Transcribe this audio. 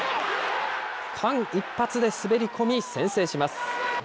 間一髪で滑り込み、先制します。